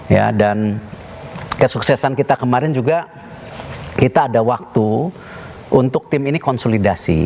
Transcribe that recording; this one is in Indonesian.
ya dan kesuksesan kita kemarin juga kita ada waktu untuk tim ini konsolidasi